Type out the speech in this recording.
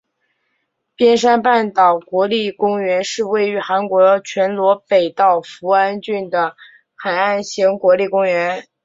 边山半岛国立公园是位于韩国全罗北道扶安郡的海岸型国立公园。